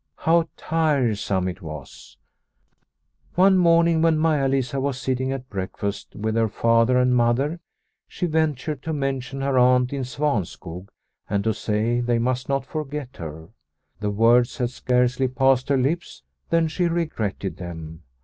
How tiresome it was ! One morning when Maia Lisa was sitting at breakfast with her Father and Mother she ventured to mention her aunt in Svanskog, and to say they must not forget her. The words had scarcely passed her lips than she regretted them.